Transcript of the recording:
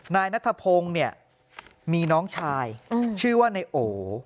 นายนัทพงศ์เนี่ยมีน้องชายชื่อว่านายโอ